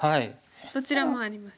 どちらもあります。